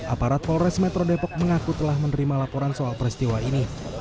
aparat polres metro depok mengaku telah menerima laporan soal peristiwa ini